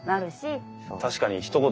確かにひと言